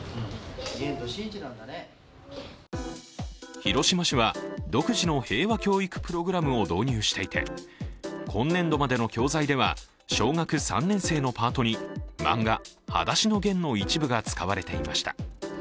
広島市は独自の平和教育プログラムを導入していて今年度までの教材では小学３年生のパートに漫画「はだしのゲン」の一部が使われていました。